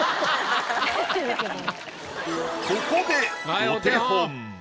ここでお手本。